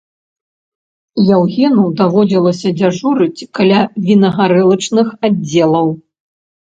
Яўгену даводзілася дзяжурыць каля вінагарэлачных аддзелаў.